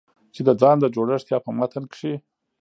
چې د ځان د جوړښت يا په متن کې